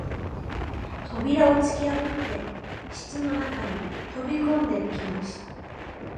扉をつきやぶって室の中に飛び込んできました